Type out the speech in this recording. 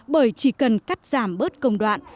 bởi chỉ cần cắt giảm bớt công đoạn